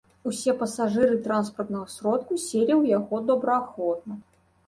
Усе пасажыры транспартнага сродку селі ў яго добраахвотна.